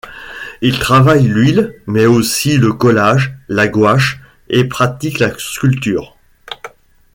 Il travaille l’huile mais aussi le collage, la gouache et pratique la sculpture.